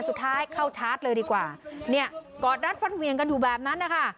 สุดท้ายเข้าชาร์จเลยดีกว่าเนี่ยกอดรัดฟัดเวียงกันอยู่แบบนั้นนะคะ